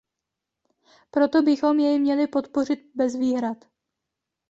Proto bychom jej měli podpořit bez výhrad.